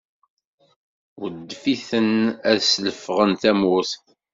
Weddef-iten ad slefɣen tamurt.